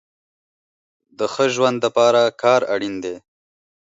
د ښه ژوند د پاره کار اړين دی